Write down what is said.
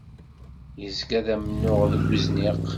Yezga d amennuɣ deg uzniq.